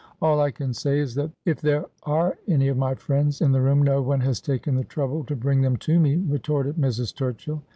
' All I can say is that if there are any of my friends in the room no one has taken the trouble to bring them to me,' retorted Mrs. Turchill.